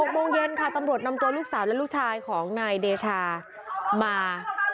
โมงเย็นค่ะตำรวจนำตัวลูกสาวและลูกชายของนายเดชามา